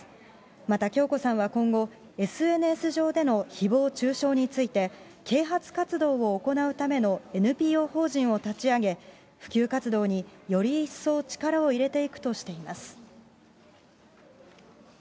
また響子さんは今後、ＳＮＳ上でのひぼう中傷について、啓発活動を行うためのＮＰＯ法人を立ち上げ、普及活動により一層力を入れていくとしています。